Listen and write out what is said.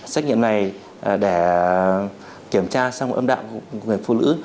xét nghiệm này để kiểm tra xong âm đạo của người phụ nữ